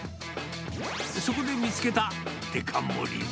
そこで見つけた、デカ盛りは。